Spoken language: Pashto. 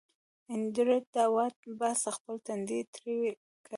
انډریو ډاټ باس خپل تندی ترېو کړ